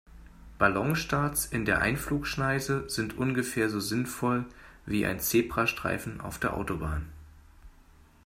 Ballonstarts in der Einflugschneise sind ungefähr so sinnvoll wie ein Zebrastreifen auf der Autobahn.